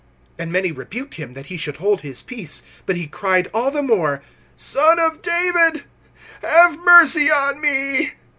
(48)And many rebuked him, that he should hold his peace. But he cried all the more: Son of David, have mercy on me.